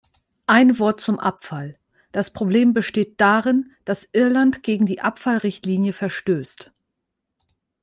Ein Wort zum Abfall. Das Problem besteht darin, dass Irland gegen die Abfallrichtlinie verstößt.